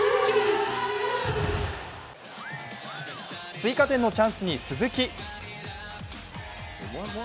追加点のチャンスに鈴木。